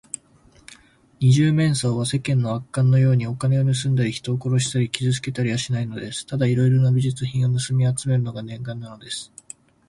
二十面相は、世間の悪漢のように、お金をぬすんだり、人を殺したり、傷つけたりはしないのです。ただいろいろな美術品をぬすみあつめるのが念願なのです。